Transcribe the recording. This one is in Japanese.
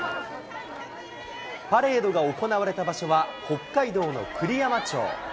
パレードが行われた場所は、北海道の栗山町。